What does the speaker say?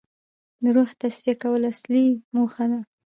د روح تصفیه کول اصلي موخه ده.